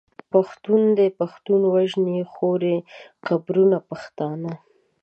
پښتون دی پښتون وژني خوري قبرونه پښتانه